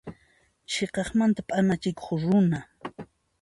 Chhiqaqmanta p'anachikuq runa.